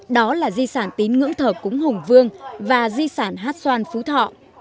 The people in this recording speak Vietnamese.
đó là di sản tín ngưỡng thờ cúng hùng vương và di sản hát xoan phú thọ